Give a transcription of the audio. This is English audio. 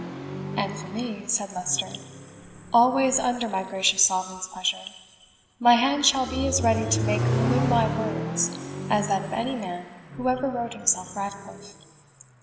"And for me," said Leicester, "always under my gracious Sovereign's pleasure, my hand shall be as ready to make good my words as that of any man who ever wrote himself Ratcliffe."